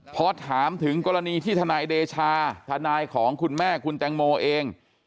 พอถามถึงกรณีที่ทนายเดชาทนายของคุณแม่คุณแตงโมเอง